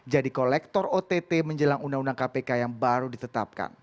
jadi kolektor ott menjelang undang undang kpk yang baru ditetapkan